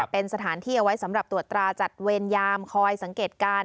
เป็นสถานที่เอาไว้สำหรับตรวจตราจัดเวรยามคอยสังเกตการณ์